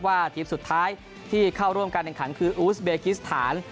ทีมสุดท้ายที่เข้าร่วมการแข่งขันคืออูสเบคิสถาน